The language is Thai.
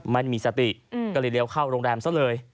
ไม่มีสติก็เลยเลี้ยวเข้าโรงแรมซะเลย